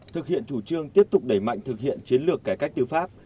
thực hiện chủ trương tiếp tục đẩy mạnh thực hiện chiến lược cải cách tư pháp